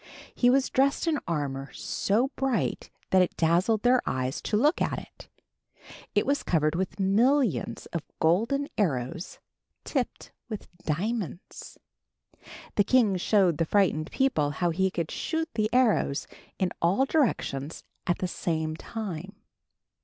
He was dressed in armor so bright that it dazzled their eyes to look at it. It was covered with millions of golden arrows tipped with diamonds. The king showed the frightened people how he could shoot the arrows in all directions at the same time.